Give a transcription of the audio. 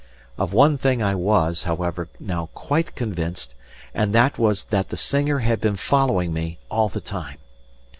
Of one thing I was, however, now quite convinced, and that was that the singer had been following me all the time.